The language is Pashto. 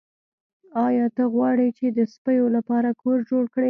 ایا ته غواړې چې د سپیو لپاره کور جوړ کړې